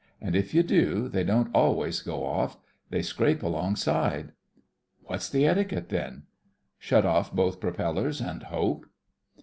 And if you do, they don't always go off. They scrape alongside." "What's the etiquette then?" "Shut off both propellers and hope."